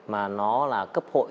mà nó là cấp hội